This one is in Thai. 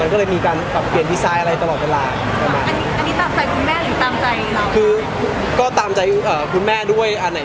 มันก็เลยมีการปรับเปลี่ยนหลังไปก็คือเราก็ตามใจนะ